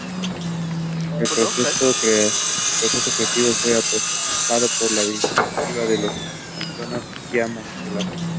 En su proceso creativo fue aprobado por la directiva de los Arizona Diamondbacks.